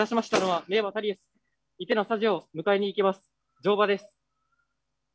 乗馬です。